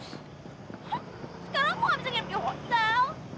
sekarang aku ga bisa ngirim di hotel